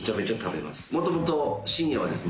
もともとしんやはですね。